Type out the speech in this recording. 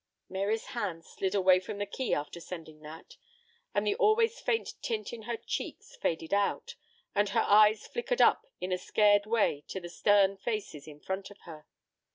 Mary's hand slid away from the key after sending that, and the always faint tint in her cheeks faded out, and her eyes flickered up in a scared way to the stern faces in front of her.